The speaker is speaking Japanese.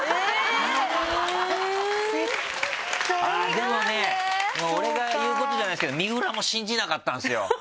でもね俺が言うことじゃないですけど水卜も信じなかったんですよ。